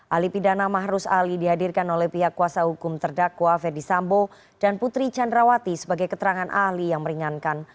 ali pidana mahrus ali dihadirkan oleh pihak kuasa hukum terdakwa ferdisambo dan putri candrawati sebagai keterangan ahli yang meringankan